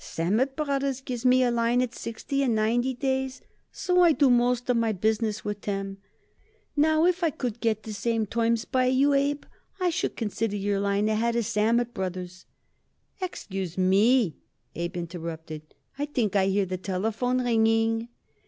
Sammet Brothers gives me a line at sixty and ninety days, and so I do most of my business with them. Now if I could get the same terms by you, Abe, I should consider your line ahead of Sammet Brothers'." "Excuse me," Abe interrupted. "I think I hear the telephone ringing."